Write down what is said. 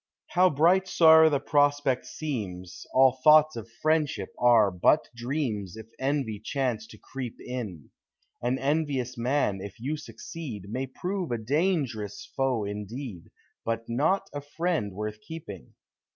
How bright soe'er the prospect seems. All thoughts of friendship are but dreams If envy chance to creep in ; An envious man, if you succeed. May prove a dang'rous foe indeed, But not a friend worth keeping.